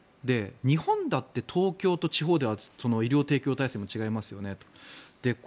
日本だって東京と地方だと医療提供体制違いますよねと。